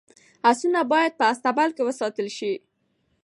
اسونه باید په اصطبل کي وساتل شي.